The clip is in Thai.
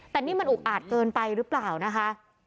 แต่นี่มันอุกอาจเกินไปหรือเปล่านะคะ